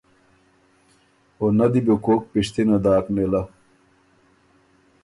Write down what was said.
او نۀ دی بو کوک پِشتِنه داک نېله۔